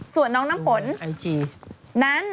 ส่วนน้องน้ำฝนนั้น